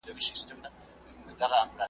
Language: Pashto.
غوره کړی چا دوکان چا خانقاه ده .